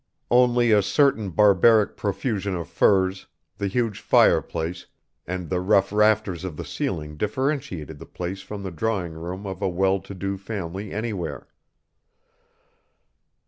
Only a certain barbaric profusion of furs, the huge fireplace, and the rough rafters of the ceiling differentiated the place from the drawing room of a well to do family anywhere.